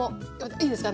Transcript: いいですか？